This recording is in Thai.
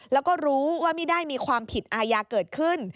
แล้วก็รู้ว่าไม่ได้มีความผิดอาญาเกิดขึ้น